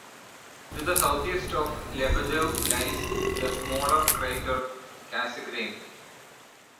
To the southeast of Lebedev lies the smaller crater Cassegrain.